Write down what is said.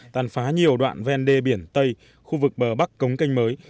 tàn phá nhiều đoạn ven đê biển tây khu vực bờ bắc cống canh mới